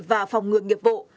và phòng ngừa nghiệp vụ